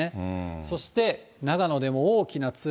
そして長野でも大きなつらら。